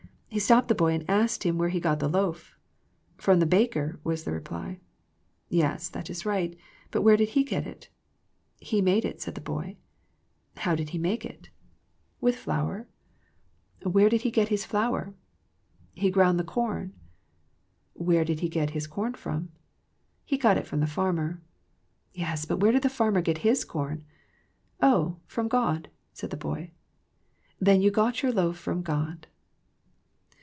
He stopped the boy and asked him where he got the loaf. '* From the baker " was the reply. " Yes, that is right, but where did he get it ?"" He made it," said the boy. " How did he make it ?" THE PLANE OF PEAYEE 93 " With flour." " Where did he get his flour ?"" He ground the corn." " Where did he get his corn from ?"" He got it from the farmer." " Yes, but where did the farmer get his corn ?"" Oh, from God," said the boy. " Then you got your loaf from God